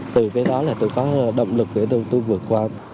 từ cái đó là tôi có động lực để tôi vượt qua